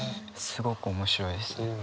すごく面白いです。